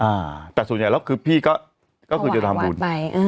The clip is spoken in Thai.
อ่าแต่ส่วนใหญ่แล้วคือพี่ก็คือจะทำบุญไปอืม